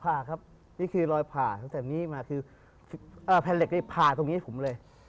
ผ่าครับนี่คือรอยผ่าตั้งแต่นี้มาคือแผ่นเหล็กนี่ผ่าตรงนี้ให้ผมเลย